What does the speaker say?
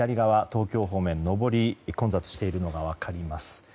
東京方面、上りが混雑しているのが分かります。